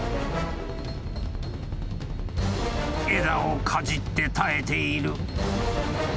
［枝をかじって耐えている］